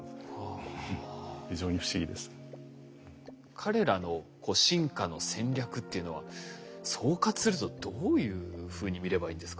彼らの進化の戦略っていうのは総括するとどういうふうに見ればいいんですか？